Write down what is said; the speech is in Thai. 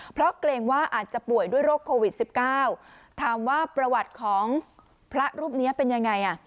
เพราะเกรงว่าอาจจะป่วยด้วยโรคโควิด๑๙ถามว่าประวัติของพระรูปนี้เป็นยังไงอ่ะ